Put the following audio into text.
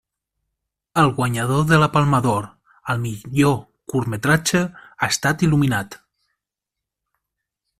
El guanyador de la Palma d'Or al millor curtmetratge ha estat il·luminat.